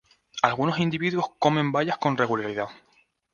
Algunos individuos comen bayas con regularidad.